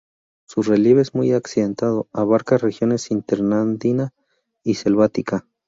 Su relieve es muy accidentado, abarca regiones interandina y selvática.